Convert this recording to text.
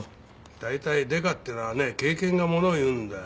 大体デカっていうのはね経験がものを言うんだよ。